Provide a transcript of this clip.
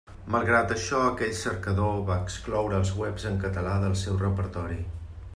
Malgrat això aquell cercador va excloure els webs en català del seu repertori.